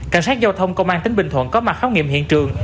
cảnh sát giao thông công an tỉnh bình thuận có mặt khám nghiệm hiện trường